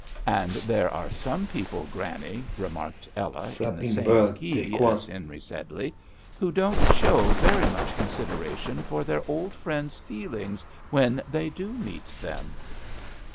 '" "And there are some people, Granny," remarked Ella, in the same key as Henry Sedley, " who don't show very much considera tion for their old friends' feelings when they do meet them."